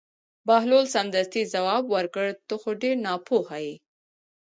بهلول سمدستي ځواب ورکړ: ته خو ډېر ناپوهه یې.